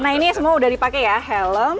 nah ini semua udah dipakai ya helm